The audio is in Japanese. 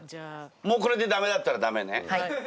もうこれで駄目だったら駄目ね。